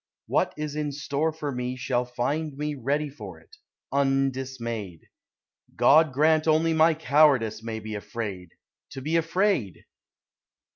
What is in store for me Shall find me ready for it, undismayed. God grant my only cowardice may be Afraid to be afraid!